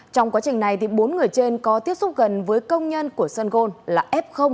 trong quá trình này bốn người trên có tiếp xúc gần với công nhân của sân gôn là f một